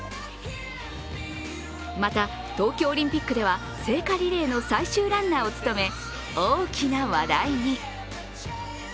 また東京オリンピックでは、聖火リレーの最終ランナーを務め大きな話題に。